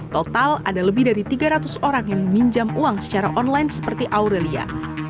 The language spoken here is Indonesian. total ada lebih dari tiga ratus orang yang meminjam uang secara online seperti aurelia